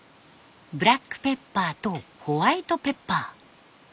ブラックペッパーとホワイトペッパー。